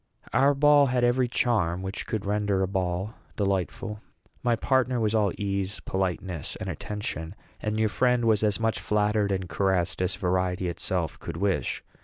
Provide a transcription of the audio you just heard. Our ball had every charm which could render a ball delightful. My partner was all ease, politeness, and attention; and your friend was as much flattered and caressed as vanity itself could wish.